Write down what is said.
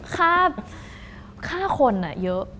ฆ่าฆ่าคนเยอะ